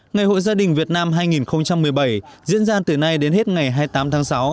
ngày hội gia đình việt nam hai nghìn một mươi bảy diễn ra từ nay đến hết ngày hai mươi tám tháng sáu